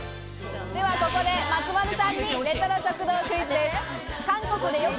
ここで松丸さんにレトロ食堂クイズです。